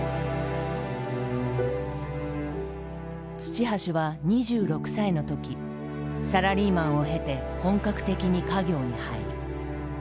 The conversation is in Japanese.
土橋は２６歳の時サラリーマンを経て本格的に家業に入る。